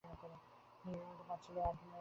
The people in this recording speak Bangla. তিনি বিবাহিত এবং পাঁচ ছেলে ও আট মেয়ের জনক ছিলেন।